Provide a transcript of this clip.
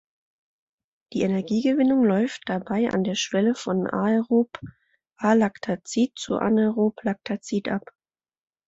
Die Energiegewinnung läuft dabei an der Schwelle von aerob-alaktazid zu anaerob-laktazid ab.